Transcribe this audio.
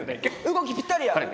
動きぴったりや！